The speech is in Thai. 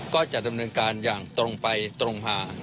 ก็จะดำเนินการอย่างตรงไปตรงมา